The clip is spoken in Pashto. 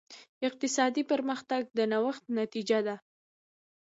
اقتصادي پرمختګ د نوښت نتیجه ده.